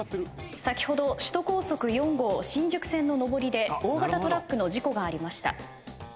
先ほど首都高速４号新宿線の上りで大型トラックの事故がありました。